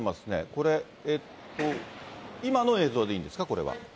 これ、今の映像でいいんですか、これは。